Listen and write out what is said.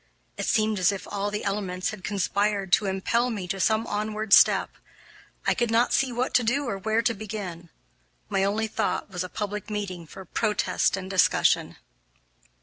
It seemed as if all the elements had conspired to impel me to some onward step. I could not see what to do or where to begin my only thought was a public meeting for protest and discussion.